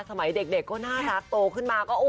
สมัยเด็กก็น่ารักโตขึ้นมาก็